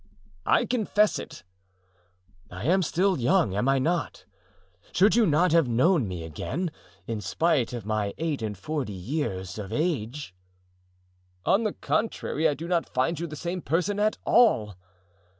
"I confess it." "I am still young, am I not? Should you not have known me again, in spite of my eight and forty years of age?" "On the contrary, I do not find you the same person at all."